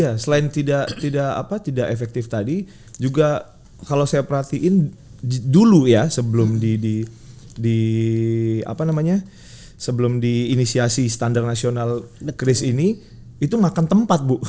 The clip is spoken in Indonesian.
iya selain tidak efektif tadi juga kalau saya perhatiin dulu ya sebelum di apa namanya sebelum di inisiasi standar nasional kris ini itu makan tempat bu